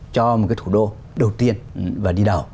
cho một cái thủ đô đầu tiên và đi đầu